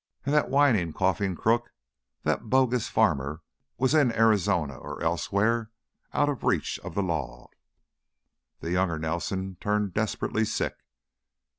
And that whining, coughing crook, that bogus farmer, was in Arizona or elsewhere out of reach of the law! The younger Nelson turned desperately sick.